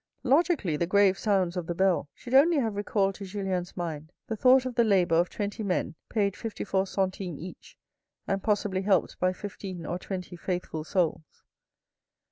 Logically the grave sounds of the bell should only have recalled to Julien's mind the thought of the labour of twenty men paid fifty four centimes each, and possibly helped by fifteen or twenty faithful souls.